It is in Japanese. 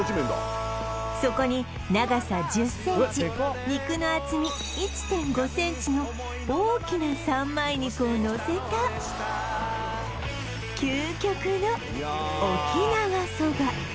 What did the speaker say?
そこに長さ１０ｃｍ肉の厚み１．５ｃｍの大きな三枚肉をのせた究極の沖縄そば